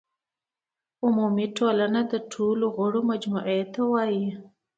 عمومي ټولنه د ټولو غړو مجموعې ته وایي.